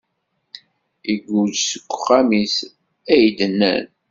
Igguǧ seg uxxam-is, ay d-nnan.